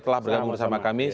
telah bergabung bersama kami